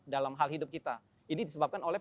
dalam hal hidup kita ini disebabkan oleh